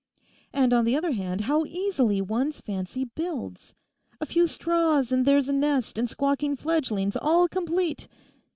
And on the other hand, how easily one's fancy builds! A few straws and there's a nest and squawking fledglings, all complete.